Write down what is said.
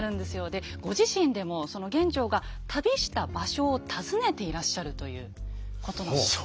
でご自身でも玄奘が旅した場所を訪ねていらっしゃるということなんですよね。